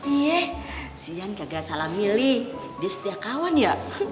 iya si iyan nggak salah milih dia setia kawan ya